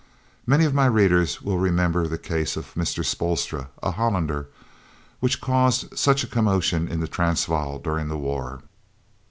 Many of my readers will remember the case of Mr. Spoelstra, a Hollander, which caused such a commotion in the Transvaal during the war.